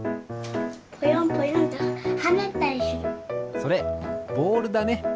それボールだね。